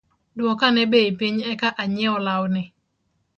Duokane bei piny eka anyiew lawni